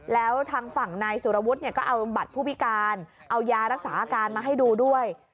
แล้วทางฝั่งนายสุรวุฒิเนี่ยก็เอาบัตรผู้พิการเอายารักษาอาการมาให้ดูด้วย